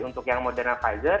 untuk yang moderna pfizer